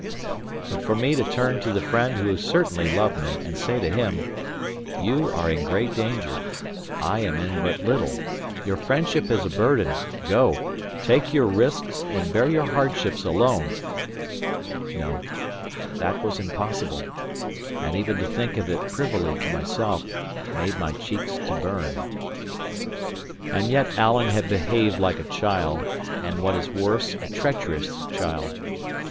But for me to turn to the friend who certainly loved me, and say to him: "You are in great danger, I am in but little; your friendship is a burden; go, take your risks and bear your hardships alone " no, that was impossible; and even to think of it privily to myself, made my cheeks to burn. And yet Alan had behaved like a child, and (what is worse) a treacherous child.